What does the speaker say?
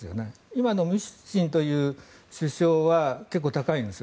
今のミシュスチンという首相は結構高いんです。